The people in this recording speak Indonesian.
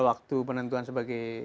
waktu penentuan sebagai